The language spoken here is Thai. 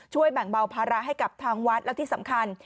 แบ่งเบาภาระให้กับทางวัดและที่สำคัญ